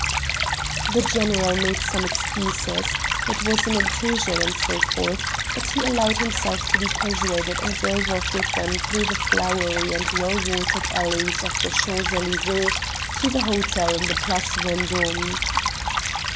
The general made some excuses it was an intrusion, and so forth but he allowed himself to be persuaded and drove off with them through the flowery and well watered alleys of the Champs Elysées to the hotel in the Place Vendôme.